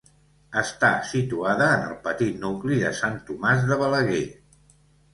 Està situada en el petit nucli de Sant Tomàs de Balaguer.